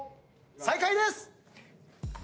再開です。